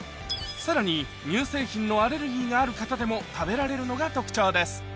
さらに乳製品のアレルギーがある方でも食べられるのが特徴です